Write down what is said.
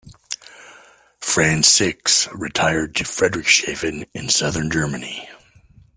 Franz Six retired to Friedrichshafen in southern Germany.